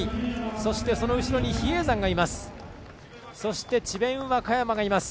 そして、その後ろに比叡山がいます。